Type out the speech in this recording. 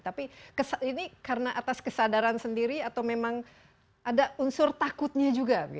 tapi ini karena atas kesadaran sendiri atau memang ada unsur takutnya juga